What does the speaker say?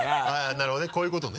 なるほどねこういうことね。